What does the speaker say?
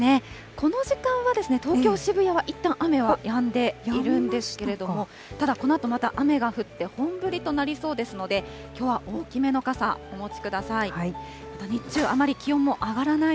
この時間は東京・渋谷はいったん雨はやんでいるんですけれども、ただ、このあとまた雨が降って、本降りとなりそうですので、きょうは大きめの傘、お持ちください。